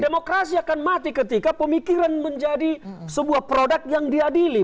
demokrasi akan mati ketika pemikiran menjadi sebuah produk yang diadili